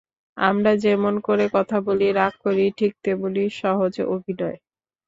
আমরা যেমন করে কথা বলি, রাগ করি, ঠিক তেমনি সহজ অভিনয়।